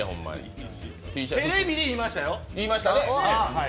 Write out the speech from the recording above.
テレビで言いましたよ。